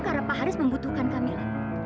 karena pak haris membutuhkan kamila